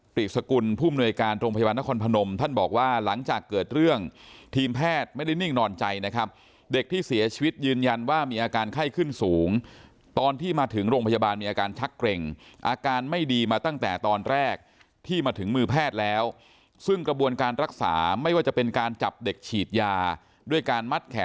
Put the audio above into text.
สกุลผู้มนวยการโรงพยาบาลนครพนมท่านบอกว่าหลังจากเกิดเรื่องทีมแพทย์ไม่ได้นิ่งนอนใจนะครับเด็กที่เสียชีวิตยืนยันว่ามีอาการไข้ขึ้นสูงตอนที่มาถึงโรงพยาบาลมีอาการชักเกร็งอาการไม่ดีมาตั้งแต่ตอนแรกที่มาถึงมือแพทย์แล้วซึ่งกระบวนการรักษาไม่ว่าจะเป็นการจับเด็กฉีดยาด้วยการมัดแข